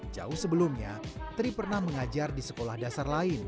jauh sebelumnya tri pernah mengajar di sekolah dasar lain